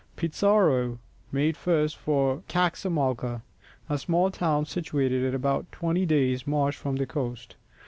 Pizarro first made for Caxamalca, a small town situated at about twenty days' march from the coast.